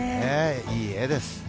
いい絵です。